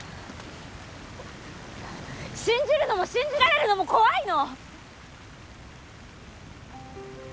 信じるのも信じられるのも怖いの！